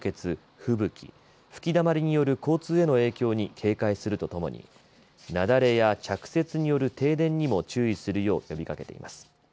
吹雪吹きだまりによる交通への影響に警戒するとともに雪崩や着雪による停電にも注意するよう呼びかけています。